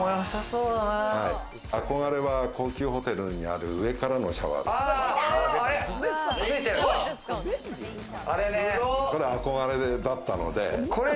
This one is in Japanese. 憧れは高級ホテルにある上からのシャワー、これ憧れだったので。